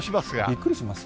びっくりします。